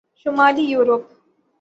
شمالی یورپ